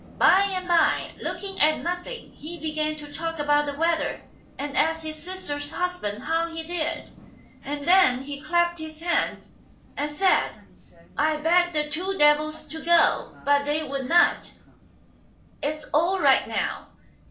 By and by, looking at nothing, he began to talk about the weather, and ask his sister's husband how he did, and then he clapped his hands, and said, " I begged the two devils to go, but they would not ; it's all right now."